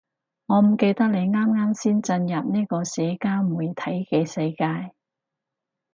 我唔記得你啱啱先進入呢個社交媒體嘅世界